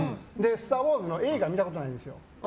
「スター・ウォーズ」の映画見たことないんですよ。